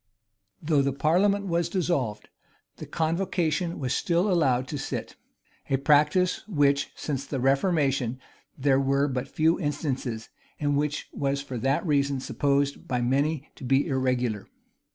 * Rush. vol. iii. p. 1167. May, p. 61. Though the parliament was dissolved, the convocation was still allowed to sit; a practice of which, since the reformation, there were but few instances,[*] and which was for that reason supposed by many to be irregular.